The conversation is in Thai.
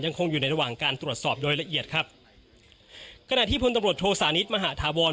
คงอยู่ในระหว่างการตรวจสอบโดยละเอียดครับขณะที่พลตำรวจโทสานิทมหาธาวร